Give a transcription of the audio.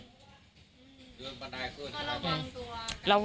ก็ระวังตัว